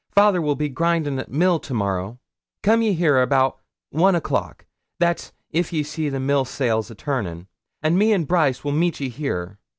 Fayther will be grindin' at mill to morrow. Coom ye here about one o'clock that's if ye see the mill sails a turnin' and me and Brice will meet ye here.